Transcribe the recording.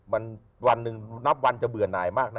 มันวันหนึ่งนับวันจะเบื่อหน่ายมากนะ